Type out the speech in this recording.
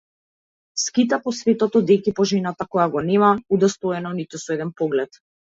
Скита по светот, одејќи по жената која го нема удостоено ниту со еден поглед.